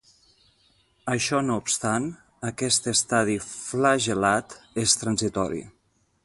Això no obstant, aquest estadi flagel·lat és transitori.